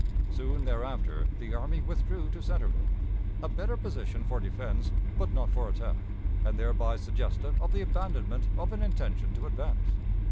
Soon thereafter the army withdrew to Centreville, a better position for defense but not for attack, and thereby suggestive of the abandonment of an intention to advance.